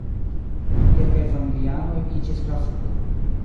Kelkaj familianoj iĝis gravuloj.